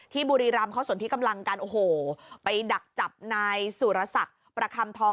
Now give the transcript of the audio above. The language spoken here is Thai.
บุรีรำเขาสนที่กำลังกันโอ้โหไปดักจับนายสุรศักดิ์ประคำทอง